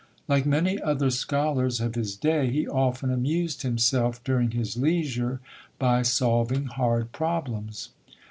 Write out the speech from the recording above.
Like many other scholars of his day, he often amused himself during his leisure by solving hard problems.